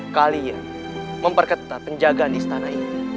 kalian memperketat penjagaan istana ini